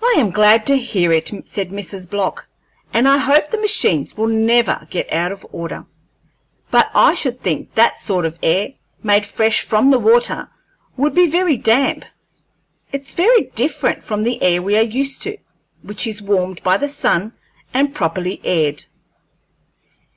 "I am glad to hear it," said Mrs. Block, "and I hope the machines will never get out of order. But I should think that sort of air, made fresh from the water, would be very damp. It's very different from the air we are used to, which is warmed by the sun and properly aired."